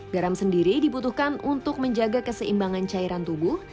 garam sendiri dibutuhkan untuk menjaga keseimbangan cairan tubuh